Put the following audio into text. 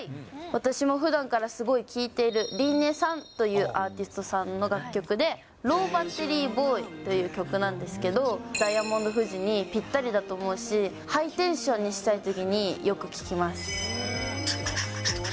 私もふだんからすごい聴いている、リン音さんというアーティストさんの楽曲で、ロー・バッテリー・ボーイという楽曲なんですけど、ダイヤモンド富士にぴったりだと思うし、ハイテンションにしたいときによく聴きます。